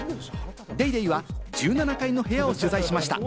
『ＤａｙＤａｙ．』は１７階の部屋を取材しました。